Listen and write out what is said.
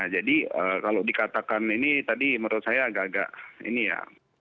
jadi kalau dikatakan ini tadi menurut saya agak agak ini ya